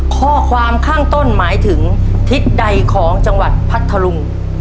ข้อความข้างต้นหมายถึงทิศใดของจังหวัดพัทธลุง